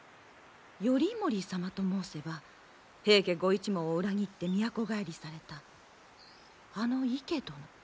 頼盛様と申せば平家ご一門を裏切って都返りされたあの池殿。